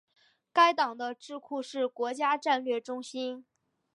该党的智库是国家战略中心。